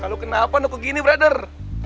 kalo kenapa nukuk gini brother